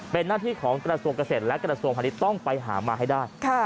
เป็นหน้าที่ของกระทรวงเกษตรและกระทรวงพาณิชย์ต้องไปหามาให้ได้